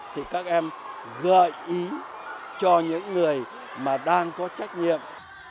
thì các em gợi ý cho những người mà đang có trách nhiệm